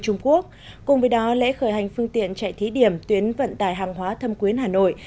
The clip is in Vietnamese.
trung quốc cùng với đó lễ khởi hành phương tiện chạy thí điểm tuyến vận tải hàng hóa thâm quyến hà nội